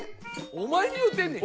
お前に言うてんねん！